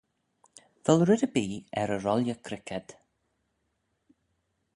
Vel red erbee er y rolley cruick ayd?